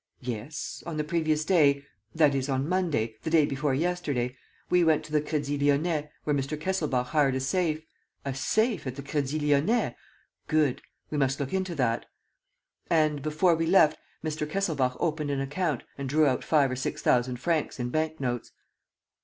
"Yes. On the previous day that is, on Monday, the day before yesterday we went to the Crédit Lyonnais, where Mr. Kesselbach hired a safe ..." "A safe at the Crédit Lyonnais? Good. ... We must look into that." "And, before we left, Mr. Kesselbach opened an account and drew out five or six thousand francs in bank notes."